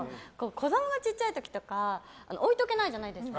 子供が小さい時とか置いておけないじゃないですか。